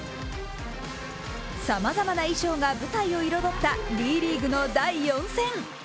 さまざまな衣装が舞台を彩ったＤ．ＬＥＡＧＵＥの第４戦。